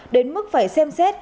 đến mức phải xem xét